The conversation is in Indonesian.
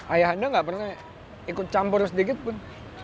ayah anda nggak pernah ikut campur sedikit pun